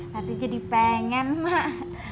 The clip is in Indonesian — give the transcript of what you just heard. tapi jadi pengen mak